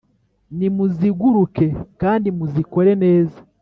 nimuziguruke kandi muzikore neza